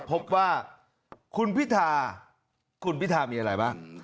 พบว่าคุณพิธาคุณพิธามีอะไรบ้าง